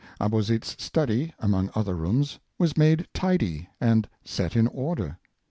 Abauzit 's study, among other rooms, was made tidy and set in order.